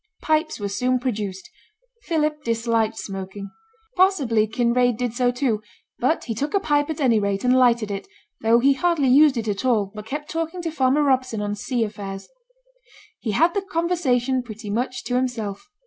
Pipes were soon produced. Philip disliked smoking. Possibly Kinraid did so too, but he took a pipe at any rate, and lighted it, though he hardly used it at all, but kept talking to farmer Robson on sea affairs. He had the conversation pretty much to himself.